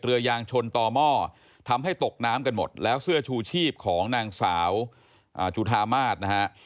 เรือยางชนต่อหม้อทำให้ตกน้ำกันหมดแล้วเสื้อชูชีพของนางสาวจุธามาศนะฮะ